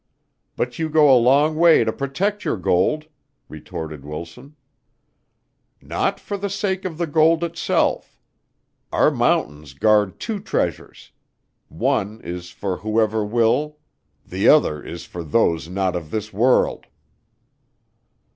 "But you go a long way to protect your gold," retorted Wilson. "Not for the sake of the gold itself. Our mountains guard two treasures; one is for whoever will, the other is for those not of this world."